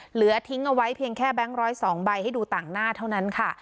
เหลือทิ้งเอาไว้เพียงแค่แบงค์๑๐๒ใบให้ดูต่างหน้าเท่านั้นค่ะ